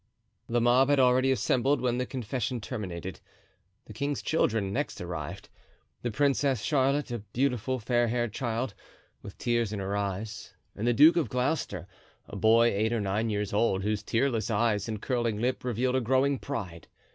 The mob had already assembled when the confession terminated. The king's children next arrived—the Princess Charlotte, a beautiful, fair haired child, with tears in her eyes, and the Duke of Gloucester, a boy eight or nine years old, whose tearless eyes and curling lip revealed a growing pride.